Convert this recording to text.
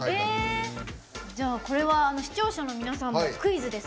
これは視聴者の皆さんにクイズです。